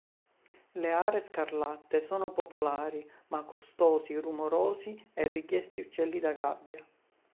Le are scarlatte sono popolari, ma costosi, rumorosi e richiesti uccelli da gabbia.